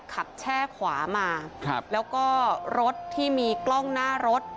แช่ขวามาครับแล้วก็รถที่มีกล้องหน้ารถ